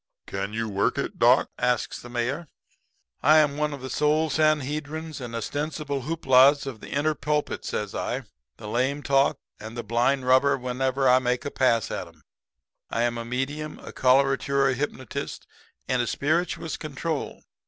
"'Can you work it, doc?' asks the Mayor. "'I'm one of the Sole Sanhedrims and Ostensible Hooplas of the Inner Pulpit,' says I. 'The lame talk and the blind rubber whenever I make a pass at 'em. I am a medium, a coloratura hypnotist and a spirituous control.